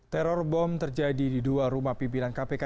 teror bom terjadi di dua rumah pimpinan kpk